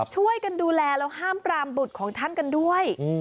ช่วยกันดูแลแล้วห้ามปรามบุตรของท่านกันด้วย